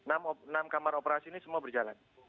enam kamar operasi ini semua berjalan